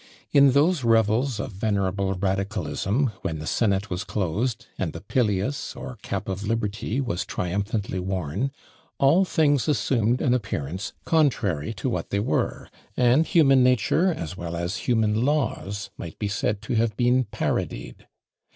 In those revels of venerable radicalism, when the senate was closed, and the Pileus, or cap of liberty, was triumphantly worn, all things assumed an appearance contrary to what they were; and human nature, as well as human laws, might be said to have been parodied.